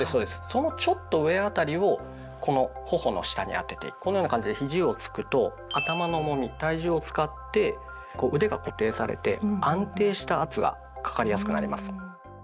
そのちょっと上辺りをこの頬の下に当ててこのような感じでひじをつくと頭の重み体重を使って腕が固定されて安定した圧がかかりやすくなります。